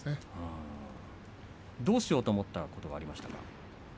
どうしようと思ったことはありましたか。